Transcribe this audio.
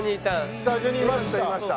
スタジオにいました。